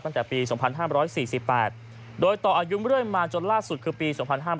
ตั้งแต่ปี๒๕๔๘โดยต่ออายุเรื่อยมาจนล่าสุดคือปี๒๕๕๙